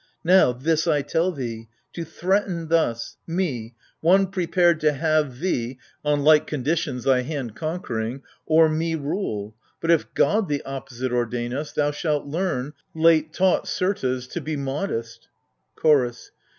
Now, this I tell thee : To threaten thus — me, one prepared to have thee 124 AGAMEMNON. (On like conditions, thy hand conquering) o'er me Rule : but if God the opposite ordain us, Thou shalt learn — late taught, certes — to be modest. CHORDS.